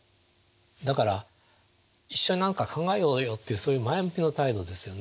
だから一緒に何か考えようよっていうそういう前向きな態度ですよね。